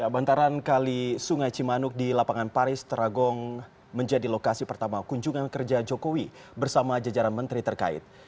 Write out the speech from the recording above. bantaran kali sungai cimanuk di lapangan paris teragong menjadi lokasi pertama kunjungan kerja jokowi bersama jajaran menteri terkait